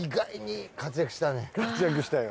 活躍したよ。